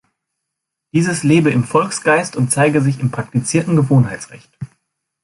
Dieses lebe im Volksgeist und zeige sich im praktizierten Gewohnheitsrecht.